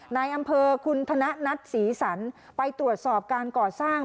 ในอำเภอคุณธนัทศรีสรรไปตรวจสอบการก่อสร้าง